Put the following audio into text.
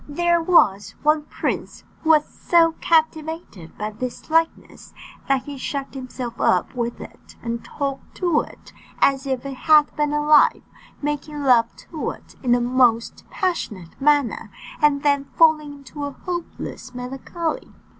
There was one prince who was so captivated by this likeness, that he shut himself up with it, and talked to it, as if it had been alive, making love to it in the most passionate manner, and then falling into a hopeless melancholy.